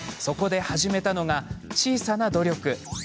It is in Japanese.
そこで始めたのが、小さな努力。